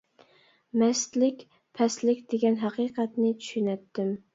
«مەستلىك — پەسلىك» دېگەن ھەقىقەتنى چۈشىنەتتىم.